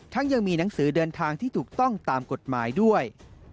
ยังมีหนังสือเดินทางที่ถูกต้องตามกฎหมายด้วย